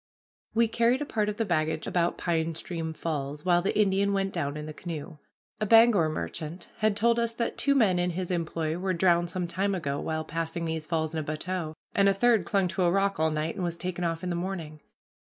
We carried a part of the baggage about Pine Stream Falls, while the Indian went down in the canoe. A Bangor merchant had told us that two men in his employ were drowned some time ago while passing these falls in a bateau, and a third clung to a rock all night and was taken off in the morning.